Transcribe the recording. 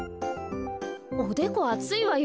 おでこあついわよ。